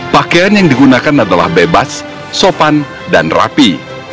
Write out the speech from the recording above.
pakaian yang digunakan adalah bebas sopan dan rapi